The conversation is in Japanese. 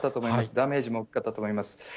ダメージも大きかったと思います。